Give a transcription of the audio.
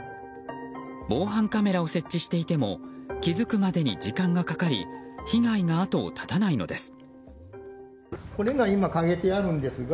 防犯カメラを設置していても気づくまでに時間がかかり被害が後を絶たないのです。